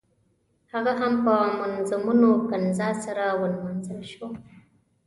هغه هم په منظمونه ښکنځا سره ونمانځل شو.